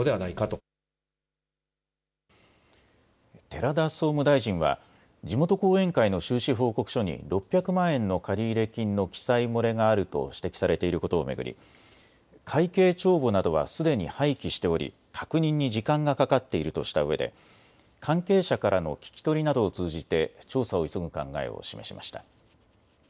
寺田総務大臣は地元後援会の収支報告書に６００万円の借入金の記載漏れがあると指摘されていることを巡り会計帳簿などはすでに廃棄しており確認に時間がかかっているとしたうえで関係者からの聞き取りなどを通じて調査を急ぐ考えを示しました。